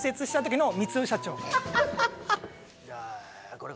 これ